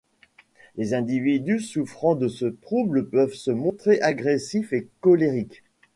Les individus souffrant de ce trouble peuvent se montrer agressifs et colériques.